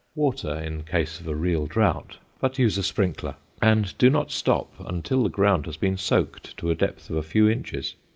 Water in case of a real drought, but use a sprinkler, and do not stop until the ground has been soaked to a depth of a few inches.